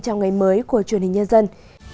trong ngày mới của truyền hình nhân dân